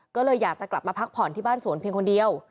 ก็เลยอยากจะกลับมาพักผ่อนที่บ้านสวนเพียงคนเดียว